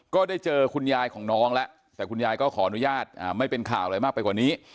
ก็ได้เจอคุณยายของน้องแล้วแต่คุณยายก็ขออนุญาตไม่เป็นข่าวอะไรมากไปกว่านี้